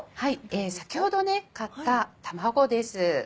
先ほど買った卵です。